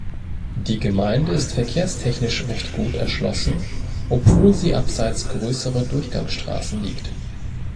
Die Gemeinde ist verkehrstechnisch recht gut erschlossen, obwohl sie abseits grösserer Durchgangsstrassen liegt.